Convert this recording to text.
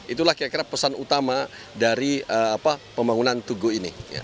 itulah kira kira pesan utama dari pembangunan tugu ini